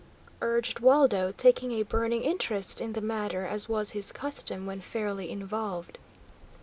urged Waldo, taking a burning interest in the matter, as was his custom when fairly involved.